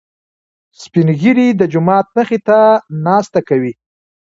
سپين ږيري د جومات مخې ته ناسته کوي.